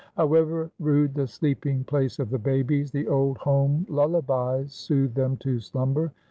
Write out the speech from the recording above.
However rude the sleeping place of the babies, the old home lullabies soothed them to slumber.